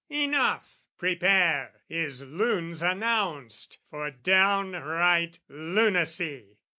Enough! Prepare, His lunes announced, for downright lunacy!